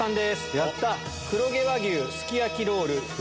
やった！